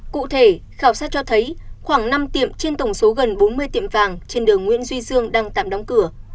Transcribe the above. cụ thể khảo sát cho thấy khoảng năm tiệm trên tổng số gần bốn mươi tiệm vàng trên đường nguyễn duy dương đang tạm đóng cửa